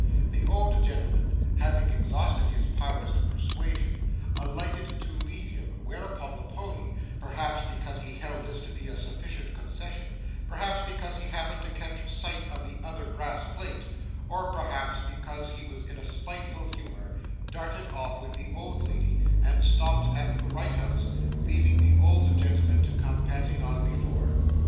The old gentleman having exhausted his powers of persuasion, alighted to lead him; whereupon the pony, perhaps because he held this to be a sufficient concession, perhaps because he happened to catch sight of the other brass plate, or perhaps because he was in a spiteful humour, darted off with the old lady and stopped at the right house, leaving the old gentleman to come panting on behind.